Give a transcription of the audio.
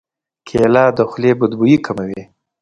کېله د خولې بد بوی کموي.